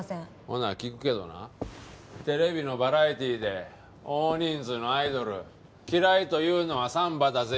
ほんなら聞くけどなテレビのバラエティーで大人数のアイドル「嫌いというのはサンバだぜ！」